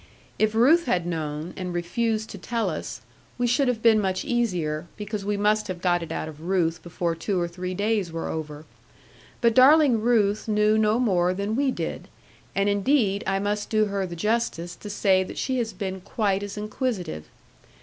If Ruth had known, and refused to tell us, we should have been much easier, because we must have got it out of Ruth before two or three days were over. But darling Ruth knew no more than we did, and indeed I must do her the justice to say that she has been quite as inquisitive.